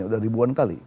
sudah ribuan kali